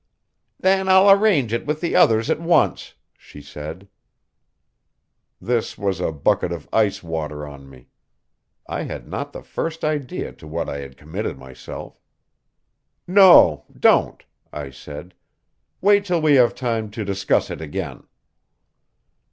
"Then I'll arrange it with the others at once," she said. This was a bucket of ice water on me. I had not the first idea to what I had committed myself. "No, don't," I said. "Wait till we have time to discuss it again."